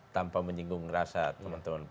tanpa menyinggung rasa teman teman